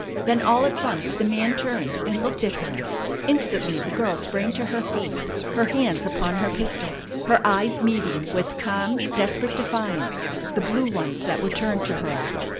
Then all at once the man turned and looked at her. Instantly the girl sprang to her feet, her hands upon her pistol, her eyes meeting with calm, desperate defiance the blue ones that were turned to her.